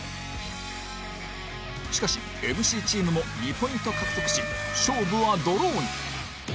しかし ＭＣ チームも２ポイント獲得し勝負はドローに